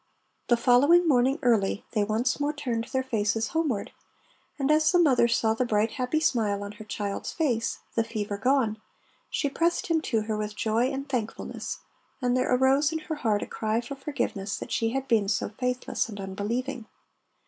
The following morning early they once more turned their faces homeward, and as the mother saw the bright, happy smile on her child's face, the fever gone, she pressed him to her with joy and thankfulness, and there arose in her heart a cry for forgiveness that she had been so faithless and unbelieving.